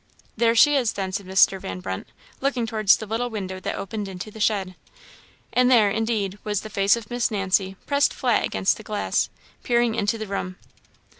"There she is, then," said Mr. Van Brunt, looking towards the little window that opened into the shed. And there, indeed, was the face of Miss Nancy pressed flat against the glass, peering into the room!